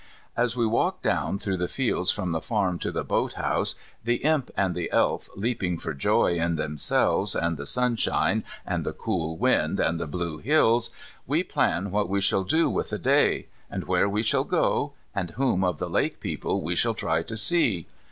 As we walk down through the fields from the farm to the boathouse, the Imp and the Elf leaping for joy in themselves, and the sunshine, and the cool wind, and the blue hills, we plan what we shall do with the day, and where we shall go, and whom of the lake people we shall try to see.